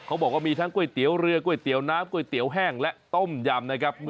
เขาบอกว่ามีทั้งก๋วยเตี๋ยวเรือก๋วยเตี๋ยวน้ำก๋วยเตี๋ยวแห้งและต้มยำนะครับ